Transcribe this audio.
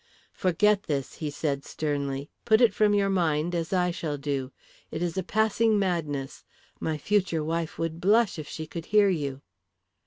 "Forget this," he said, sternly. "Put it from your mind, as I shall do. It is a passing madness. My future wife would blush if she could hear you."